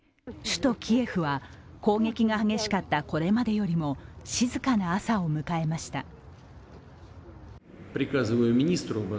首都キエフは攻撃が激しかったこれまでよりも静かな朝を迎えました。